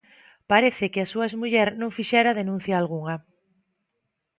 Parece que a súa exmuller non fixera denuncia algunha.